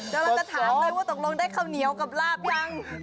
เดี๋ยวเราจะถามเลยว่าตกลงได้ข้าวเหนียวกับราบยัง